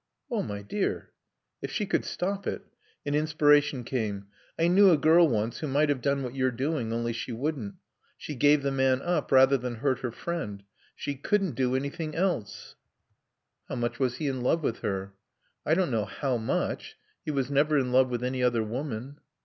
"Oh, my dear " If she could stop it.... An inspiration came. "I knew a girl once who might have done what you're doing, only she wouldn't. She gave the man up rather than hurt her friend. She couldn't do anything else." "How much was he in love with her?" "I don't know how much. He was never in love with any other woman."